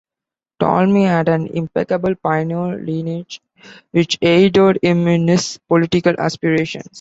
Tolmie had an impeccable pioneer lineage, which aided him in his political aspirations.